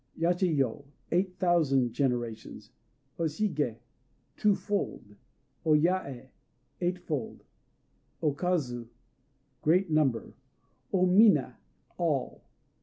Yachiyo "Eight Thousand Generations." O Shigé "Two fold." O Yaë "Eight fold." O Kazu "Great Number." O Mina "All."